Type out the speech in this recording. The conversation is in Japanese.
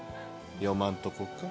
読まんとこか？